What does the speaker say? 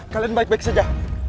kalian baik baik saja